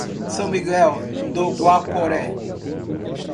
São Miguel do Guaporé